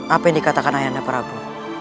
apa yang dikatakan ayah anda pramu